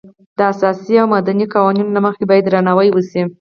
د اساسي او مدني قوانینو له مخې باید درناوی وشي.